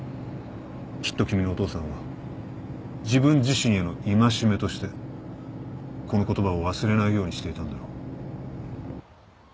きっと君のお父さんは自分自身への戒めとしてこの言葉を忘れないようにしていたんだろう。